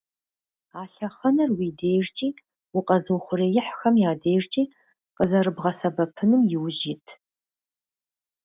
А лъэхъэнэр уи дежкӀи укъэзыухъуреихьхэм я дежкӀи къызэрыбгъэсэбэпыным иужь ит.